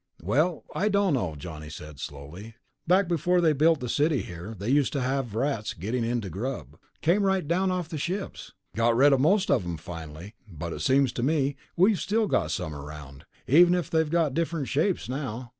"Well, I don't know," Johnny said slowly. "Back before they built the city here, they used to have rats getting into the grub. Came right down off the ships. Got rid of most of them, finally, but it seems to me we've still got some around, even if they've got different shapes now."